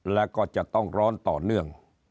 แล้วก็จะต้องร้อนต่อเนื่อง